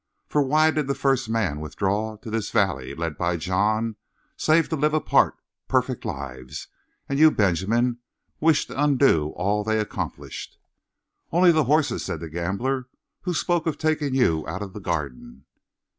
For why did the first men withdraw to this valley, led by John, save to live apart, perfect lives? And you, Benjamin, wish to undo all that they accomplished." "Only the horses," said the gambler. "Who spoke of taking you out of the Garden?"